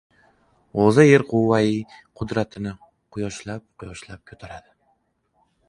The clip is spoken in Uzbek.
G‘o‘za yer quvvai qudratini quyoshlab- quyoshlab ko‘taradi.